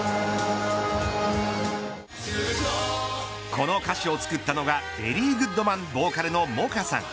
この歌詞を作ったのがベリーグッドマンボーカルのＭＯＣＡさん。